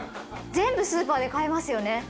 全部スーパーで買えますよね。